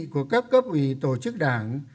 của các cấp ủy tổ chức đảng